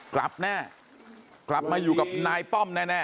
กลับแน่กลับมาอยู่กับนายป้อมแน่